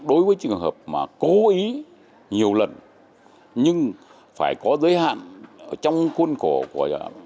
đối với trường hợp mà cố ý nhiều lần nhưng phải có giới hạn trong khuôn khổ của